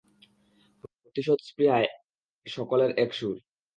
প্রতিশোধ স্পৃহায় সকলের একসুর।